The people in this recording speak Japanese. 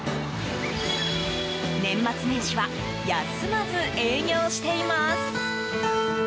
年末年始は休まず営業しています。